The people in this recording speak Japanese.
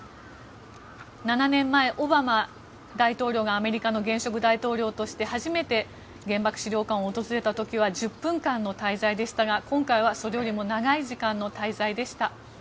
７年前、オバマ大統領がアメリカの現職大統領として初めて原爆資料館を訪れた時は１０分間の滞在でしたが今回は、それよりも長い時間の滞在でした。